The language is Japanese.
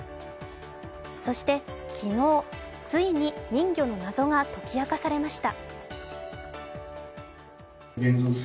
そして昨日、ついに人魚の謎が解き明かされました。